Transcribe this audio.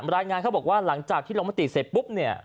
รายงานเขาบอกว่าหลังจากที่ลงมติเสร็จปุ๊บเนี่ย